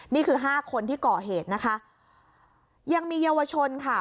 นี่คือห้าคนที่ก่อเหตุนะคะยังมีเยาวชนค่ะ